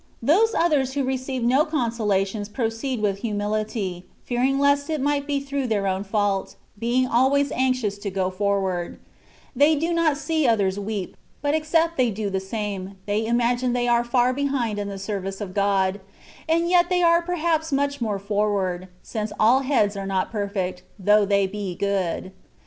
* Those others who receive no consolations pro ceed with humility, fearing lest it might be through their own fault, being always anxious to go forward : they do not see others weep, but except they do the same, they imagine they are far belund in the service of God, and yet they are perhaps much more forward, since all heads are not perfect, though they be good.